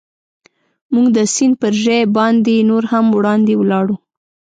موږ د سیند پر ژۍ باندې نور هم وړاندې ولاړو.